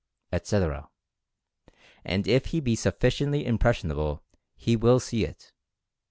etc., and if he be sufficiently impressionable he will see it.